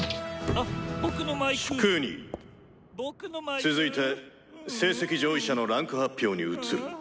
「続いて成績上位者の位階発表に移る。